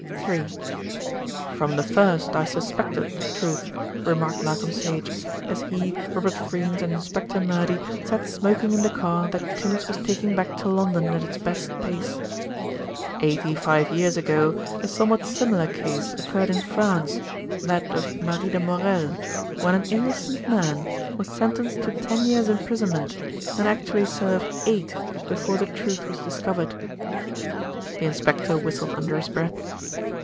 III "From the first I suspected the truth," remarked Malcolm Sage, as he, Robert Freynes and Inspector Murdy sat smoking in the car that Tims was taking back to London at its best pace. "Eighty five years ago a somewhat similar case occurred in France, that of Marie de Morel, when an innocent man was sentenced to ten years' imprisonment, and actually served eight before the truth was discovered." The inspector whistled under his breath.